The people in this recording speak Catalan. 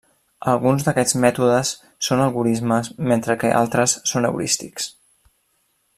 Alguns d'aquests mètodes són algorismes, mentre que altres són heurístics.